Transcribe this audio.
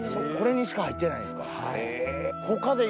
これにしか入ってないんですか？